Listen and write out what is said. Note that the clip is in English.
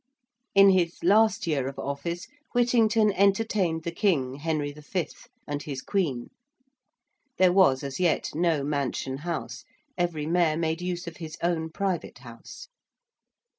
In his last year of office Whittington entertained the King, Henry V. and his Queen. There was as yet no Mansion House: every Mayor made use of his own private house.